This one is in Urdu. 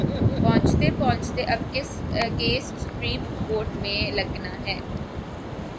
پہنچتے پہنچتے اب کیس سپریم کورٹ میں لگناہے۔